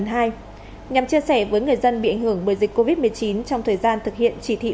nhằm chia sẻ với người dân bị ảnh hưởng bởi dịch covid một mươi chín trong thời gian thực hiện chỉ thị một mươi sáu